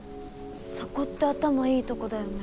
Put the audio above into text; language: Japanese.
そこって頭いいとこだよね？